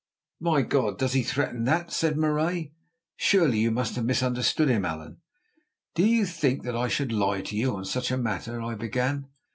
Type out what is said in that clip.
"My God! does he threaten that?" said Marais. "Surely you must have misunderstood him, Allan." "Do you think that I should lie to you on such a matter—" I began.